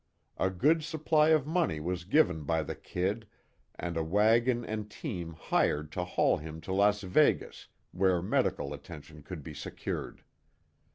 A good supply of money was given by the "Kid," and a wagon and team hired to haul him to Las Vegas, where medical attention could be secured.